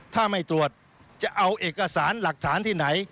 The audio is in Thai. ถ้าไม่ตรวจจะเอาเอกสารหลักฐานที่ไหน